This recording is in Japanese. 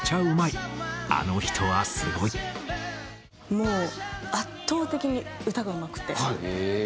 もう圧倒的に歌がうまくて。